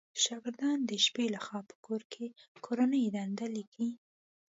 شاګردان د شپې لخوا په کور کې کورنۍ دنده ليکئ